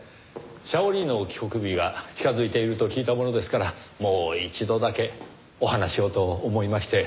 シャオリーの帰国日が近づいていると聞いたものですからもう一度だけお話をと思いまして。